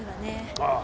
ああ。